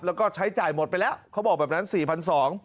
แล้วก็ใช้จ่ายหมดไปแล้วเขาบอกแบบนั้นสี่พันสอง